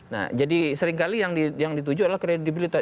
nah jadi seringkali yang dituju adalah kredibilitas